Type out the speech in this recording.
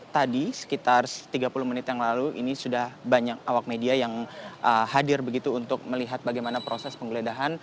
tadi sekitar tiga puluh menit yang lalu ini sudah banyak awak media yang hadir begitu untuk melihat bagaimana proses penggeledahan